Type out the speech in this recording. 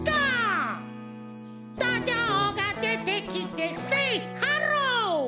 どじょうがでてきてセイハロー！